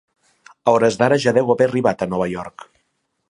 A hores d'ara ja deu haver arribat a Nova York.